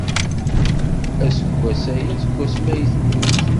Aseggas aya seg wasmi ay temmut.